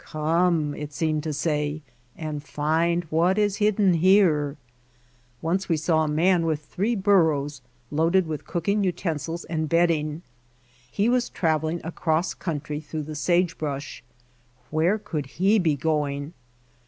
''Come," it seemed to say, "and find what is hidden here." Once we saw a man with three burros loaded with cooking utensils and bedding. He was traveling across country through the sagebrush. Where could he be going?